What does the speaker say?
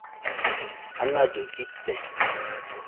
anallɨ llɨte